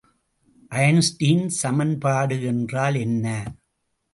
Einstein சமன்பாடு என்றால் என்ன?